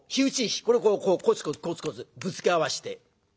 これをこうこうコツコツコツコツぶつけ合わせて火花出ます。